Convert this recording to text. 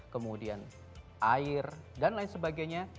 kemudian air dan lain sebagainya